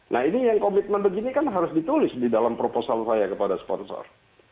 nah ini yang komitmen begini kan harus ditulis di dalam proposal saya kepada sponsor